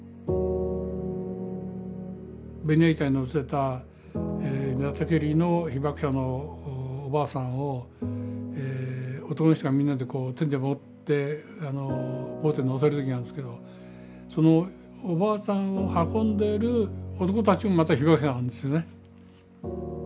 ベニヤ板にのせた寝たきりの被ばく者のおばあさんを男の人がみんなで手で持ってボートにのせる時なんですけどそのおばあさんを運んでる男たちもまた被ばく者なんですよね。